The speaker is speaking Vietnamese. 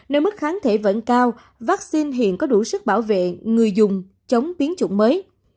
nơi mức kháng thể vẫn cao vaccine hiện có đủ sức bảo vệ người dùng chống biến chủng mới